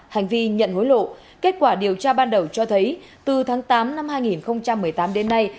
hành vi nhận hối lộ kết quả điều tra ban đầu cho thấy từ tháng tám năm hai nghìn một mươi tám đến nay